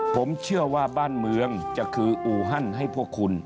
ผมเชื่อว่าบ้านเมืองจะคืออูฮันให้พวกคุณ